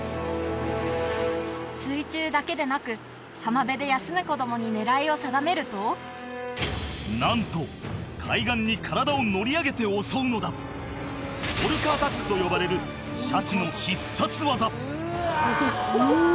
水中だけでなく浜辺で休む子供に狙いを定めるとなんと海岸に体を乗り上げて襲うのだオルカアタックと呼ばれるシャチの必殺技うわ！